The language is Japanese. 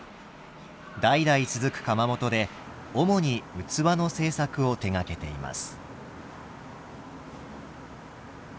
代々続く窯元で主に器の製作を手がけています。